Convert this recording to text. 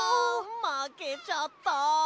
まけちゃった。